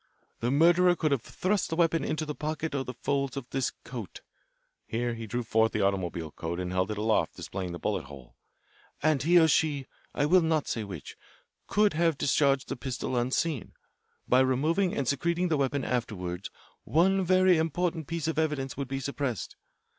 The murderer could have thrust the weapon into the pocket or the folds of this coat" here he drew forth the automobile coat and held it aloft, displaying the bullet hole "and he or she (I will not say which) could have discharged the pistol unseen. By removing and secreting the weapon afterward one very important piece of evidence would be suppressed.